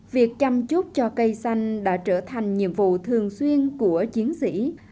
việc chăm chút cho cây xanh đã trở thành nhiệm vụ thường xuyên của chiến sĩ